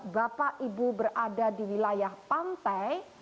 bapak ibu berada di wilayah pantai